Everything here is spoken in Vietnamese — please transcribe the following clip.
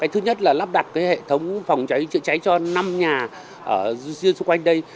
thứ nhất là lắp đặt hệ thống phòng cháy chữa cháy cho năm nhà xung quanh đây